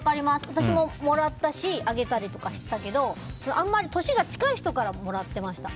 私ももらったしあげたりとかしてたけど年が近い人からもらってました。